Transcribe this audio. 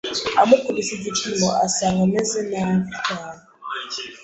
amukubise igipimo asanga ameze nabi cyane